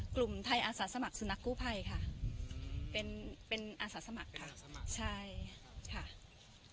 กลุ่มไทยอาสาสมัครสุนัขกู้ไพรค่ะเป็นเป็นอาสาสมัครค่ะใช่ค่ะ